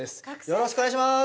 よろしくお願いします！